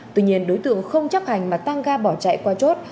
tuy nhiên đối tượng không chấp hành mà tăng ga bỏ chạy qua chốt